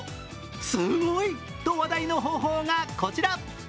すごい！と話題に方法がこちら。